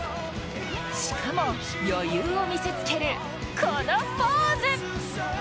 しかも余裕を見せつけるこのポーズ。